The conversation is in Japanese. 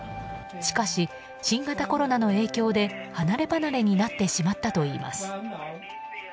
しかし、新型コロナの影響で離れ離れになってしまったといいます。